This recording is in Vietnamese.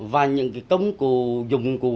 và những công cụ dụng cụ